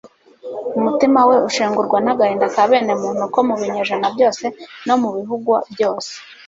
Umutima we ushengurwa n'agahinda ka bene muntu ko mu binyejana byose no mu bihugw byose.